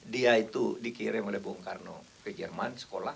dia itu dikirim oleh bung karno ke jerman sekolah